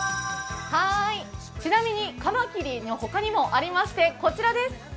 ちなみに、かまきりの他にもありまして、こちらです。